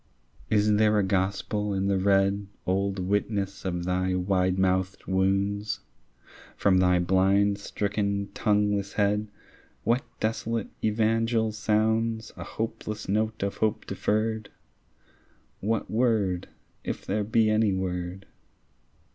Is there a gospel in the red Old witness of thy wide mouthed wounds? From thy blind stricken tongueless head What desolate evangel sounds A hopeless note of hope deferred? What word, if there be any word?